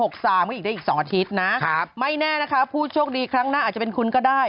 อีกได้อีก๒อาทิตย์นะครับไม่แน่นะคะผู้โชคดีครั้งหน้าอาจจะเป็นคุณก็ได้